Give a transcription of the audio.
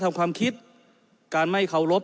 ความคิดการไม่เคารพ